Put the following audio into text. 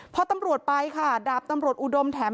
พอตำรวจไปค่ะดาบตำรวจอุดมแถม